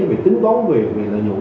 về tính tón về lợi dụng